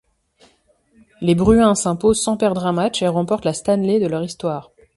Les Bruins s'imposent sans perdre un match et remportent la Stanley de leur histoire.